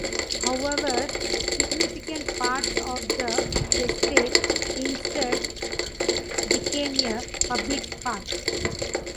However, significant parts of the estate instead became a public park.